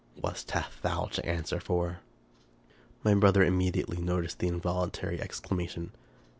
what hast thou to answer for ?" My brother immediately noticed the involuntary exclama tion.